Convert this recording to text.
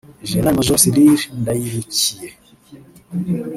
General Major Cyrille Ndayirukiye